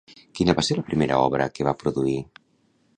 Quina va ser la primera obra que va produir?